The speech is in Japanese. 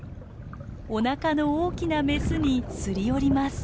おなかの大きなメスにすり寄ります。